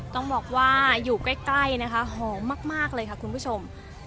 ต้องบอกว่าอยู่ใกล้นะคะหอมมากเลยค่ะคุณผู้ชม